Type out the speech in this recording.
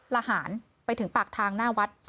ละหารไปถึงปากทางหน้าวัด